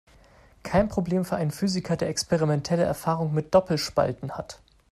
Kein Problem für einen Physiker, der experimentelle Erfahrung mit Doppelspalten hat.